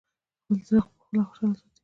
خپل زړه پخپله خوشاله ساتی!